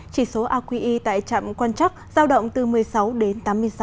chỉ số aqi tại trạm quan chắc giao động từ một mươi sáu đến tám mươi sáu